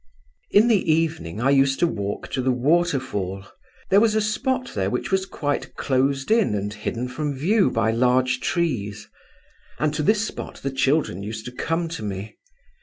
"In the evening I used to walk to the waterfall. There was a spot there which was quite closed in and hidden from view by large trees; and to this spot the children used to come to me.